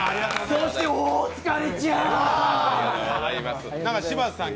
そしてお疲れちゃん。